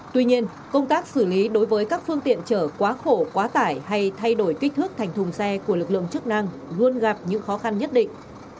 tuy nhiên công tác xử lý đối với các phương tiện chở quá khổ quá tải hay thay đổi kích thước thành thùng xe của lực lượng chức năng luôn gặp những khó khăn nhất định